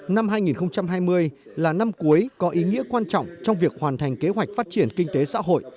năm hai nghìn hai mươi là năm cuối có ý nghĩa quan trọng trong việc hoàn thành kế hoạch phát triển kinh tế xã hội